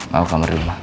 mau kamar dulu ma